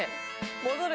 戻る？